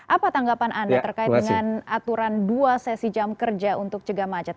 apa tanggapan anda terkait dengan aturan dua sesi jam kerja untuk cegah macet